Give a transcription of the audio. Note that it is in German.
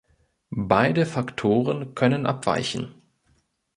Beide Faktoren können abweichen.